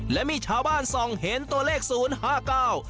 และมีชาวบ้านส่องเห็นตัวเลขศูนย์ห้าเก้า